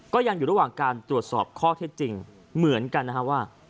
ก็ยังอยู่ระหว่างการตรวจสอบข้อเท็จจริงเหมือนกันนะฮะว่า